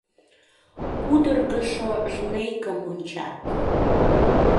Пудыргышо жнейкым ончат.